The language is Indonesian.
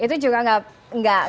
itu juga nggak kebanyakan